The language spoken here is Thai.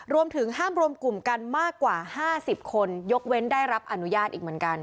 รวมถึงห้ามรวมกลุ่มกันมากกว่า๕๐คนยกเว้นได้รับอนุญาตอีกเหมือนกัน